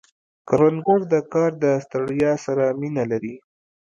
کروندګر د کار د ستړیا سره مینه لري